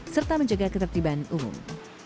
serta menjaga ketertiban umum